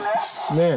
ねえ。